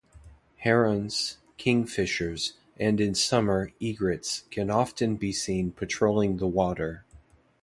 Herons, Kingfishers and in Summer Egrets can often be seen patrolling the water.